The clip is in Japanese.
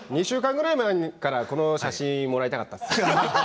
２週間ぐらい前からこの写真もらいたかったです。